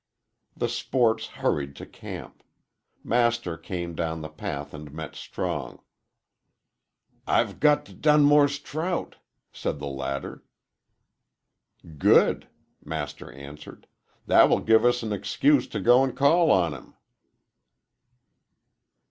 The sports hurried to camp. Master came down the path and met Strong. "I've got D Dunmore's t trout," said the latter. "Good!" Master answered; "that will give us an excuse to go and call on him."